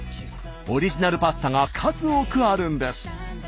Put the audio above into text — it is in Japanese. オリジナルパスタが数多くあるんです。